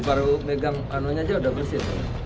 baru megang anonya aja udah bersih